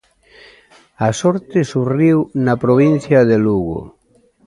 A sorte sorriu na provincia de Lugo.